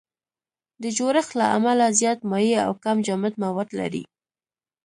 د جوړښت له امله زیات مایع او کم جامد مواد لري.